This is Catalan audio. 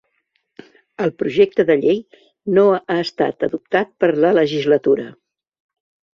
El projecte de llei no ha estat adoptat per la legislatura.